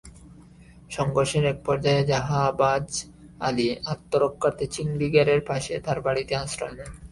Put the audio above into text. সংঘর্ষের একপর্যায়ে জাহাবাজ আলী আত্মরক্ষার্থে চিংড়ি ঘেরের পাশে তাঁর বাড়িতে আশ্রয় নেন।